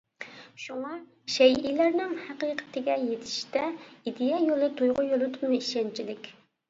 شۇڭا، شەيئىلەرنىڭ ھەقىقىتىگە يېتىشتە ئىدىيە يولى تۇيغۇ يولىدىنمۇ ئىشەنچلىك.